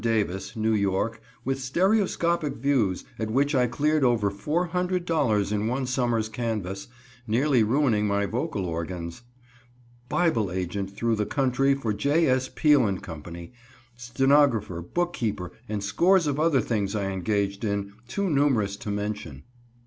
Davis, New York, with stereoscopic views, at which I cleared over $400.00 in one summer's canvass, nearly ruining my vocal organs; Bible agent through the country for J. S. Peele & Co.; stenographer, bookkeeper, and scores of other things I engaged in, too numerous to mention.